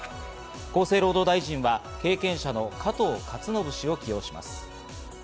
厚生労働大臣は経験者の加藤勝信氏を起用します。